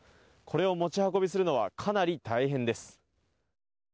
これを持ち運びするのはかなり大変です。